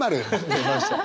出ました。